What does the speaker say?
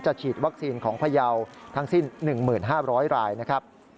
ฉีดวัคซีนของพยาวทั้งสิ้น๑๕๐๐รายนะครับ